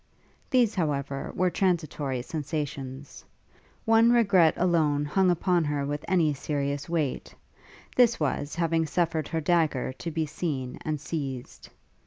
These, however, were transitory sensations: one regret alone hung upon her with any serious weight: this was, having suffered her dagger to be seen and seized.